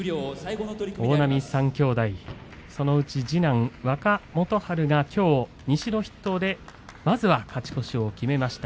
大波三兄弟、その中次男、若元春が西の筆頭でまずは勝ち越しを決めました。